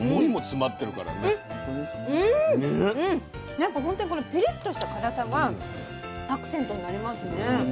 なんかほんとにこのピリッとした辛さがアクセントになりますね。